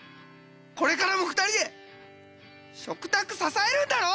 これからも２人で食卓支えるんだろ！？